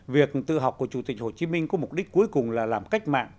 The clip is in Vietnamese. việc tự học của chủ tịch hồ chí minh có mục đích cuối cùng là làm cách mạng